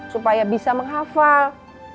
supaya bisa menghafal